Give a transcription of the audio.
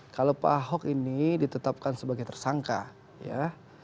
kalau pak ahok ini ditetapkan sebagai tersangka ya